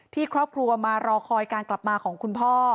ครอบครัวมารอคอยการกลับมาของคุณพ่อ